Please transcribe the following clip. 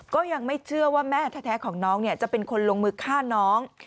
ก็ยังไม่เชื่อว่าแม่แท้ของน้องจะเป็นคนลงมือฆ่าน้อง